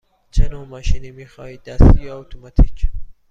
چه نوع ماشینی می خواهید – دستی یا اتوماتیک؟